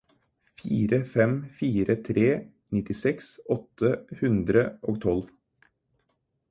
fire fem fire tre nittiseks åtte hundre og tolv